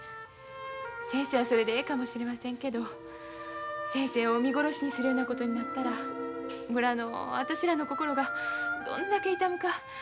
先生はそれでええかもしれませんけど先生を見殺しにするようなことになったら村の私らの心がどんだけ痛むか